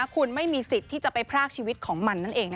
คุณไม่มีสิทธิ์ที่จะไปพรากชีวิตของมันนั่นเอง